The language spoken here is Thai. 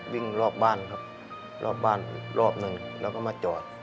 วิ่งรอบบ้านครับรอบบ้านรอบหนึ่งแล้วก็มาจอด